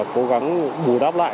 cố gắng bù đắp lại